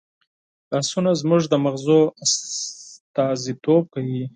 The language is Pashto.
لاسونه زموږ د مغزو استازیتوب کوي